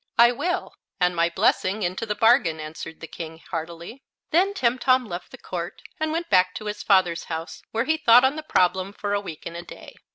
"I will, and my blessing into the bargain," answered the King, heartily. Then Timtom left the court, and went back to his father's house, where he thought on the problem for a week and a day.